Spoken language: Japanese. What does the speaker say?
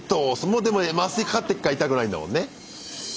もうでも麻酔かかってっから痛くないんだもんね。